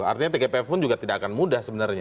artinya tgpf pun juga tidak akan mudah sebenarnya